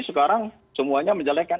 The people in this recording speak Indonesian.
sekarang semuanya menjelekan